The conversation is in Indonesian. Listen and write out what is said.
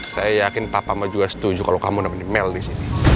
saya yakin papa mau juga setuju kalau kamu dapat di mel di sini